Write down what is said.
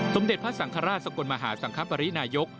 สมเด็จพระสังฆราชสกลมหาสังคปรินายก